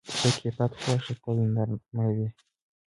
د ښه کیفیت غوښه تل نرم وي.